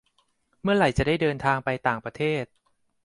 เมื่อไหร่จะได้เดินทางไปต่างประเทศ